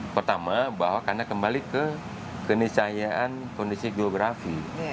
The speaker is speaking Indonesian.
pertama bahwa karena kembali ke kenisayaan kondisi geografi